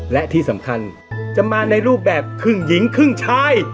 และที่สำคัญจะมาในรูปแบบครึ่งหญิงครึ่งชาย